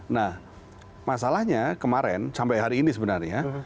nah masalahnya kemarin sampai hari ini sebenarnya